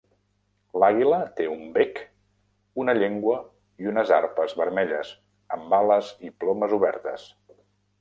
L'àguila té un bec, una llengua i unes arpes vermelles, amb ales i plomes obertes.